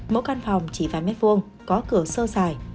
mỗi căn phòng chỉ vài mét vuông có cửa sơ dài